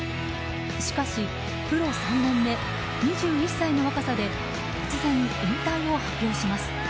しかしプロ３年目２１歳の若さで突然、引退を発表します。